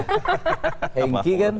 tuh ini mau kan